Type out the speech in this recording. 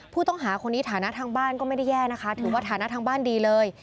ผู้ต้องหาคนนี้ฐานะทางบ้านก็ไม่ได้แย่นะคะถือว่าฐานะทางบ้านดีเลย